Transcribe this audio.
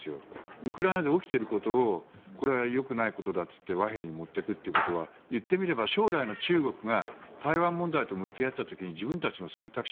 ウクライナで起きていることをこれはよくないことだといって和平に持っていくということは言ってみれば将来の中国が台湾問題と向き合った時に自分たちの選択肢